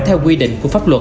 theo quy định của pháp luật